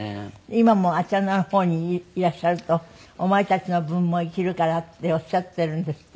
今もあちらの方にいらっしゃると「お前たちの分も生きるから」っておっしゃっているんですって？